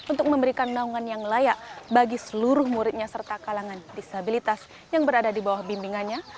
untuk memberikan naungan yang layak bagi seluruh muridnya serta kalangan disabilitas yang berada di bawah bimbingannya